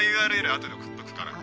あとで送っとくから。